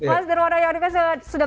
mas nihwono yaudika sudah